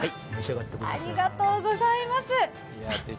ありがとうございます。